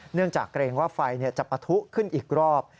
จากเกรงว่าไฟจะปะทุขึ้นอีกรอบ